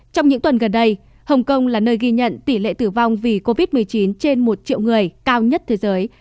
trong những tuần gần đây hồng kông là nơi ghi nhận tỷ lệ tử vong vì covid một mươi chín trên một triệu người cao nhất thế giới